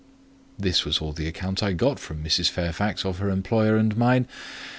This was all the account I got from Mrs. Fairfax of her employer and mine.